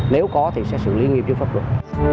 nếu có thì sẽ xử lý nghiệp vụ pháp luật